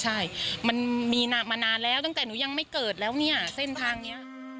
ใช่มันมีมานานแล้วตั้งแต่หนูยังไม่เกิดแล้วเนี่ยเส้นทางเนี้ย